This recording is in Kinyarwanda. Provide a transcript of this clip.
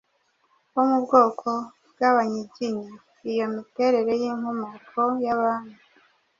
wo mu bwoko bw’Abanyiginya. Iyo miterere y’inkomoko y’abami